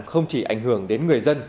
không chỉ ảnh hưởng đến người dân